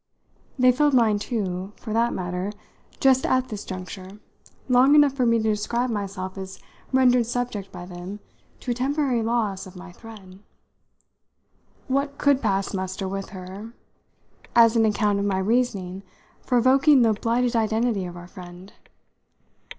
They filled mine too, for that matter, just at this juncture, long enough for me to describe myself as rendered subject by them to a temporary loss of my thread. What could pass muster with her as an account of my reason for evoking the blighted identity of our friend?